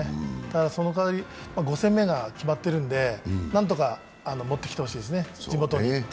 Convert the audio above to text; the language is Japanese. その代り５戦目が決まっているので何とか持ってきてほしいですね、地元に。